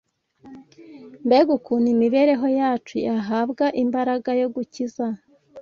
mbega ukuntu imibereho yacu yahabwa imbaraga yo gukiza!